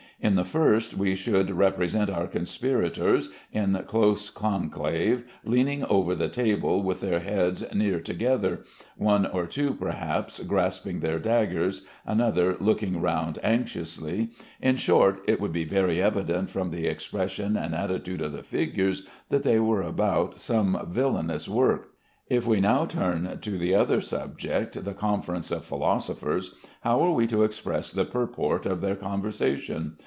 In the first we should represent our conspirators, in close conclave, leaning over the table with their heads near together, one or two perhaps grasping their daggers, another looking round anxiously in short, it would be very evident from the expression and attitude of the figures that they were about some villainous work. If we now turn to the other subject, the conference of philosophers, how are we to express the purport of their conversation?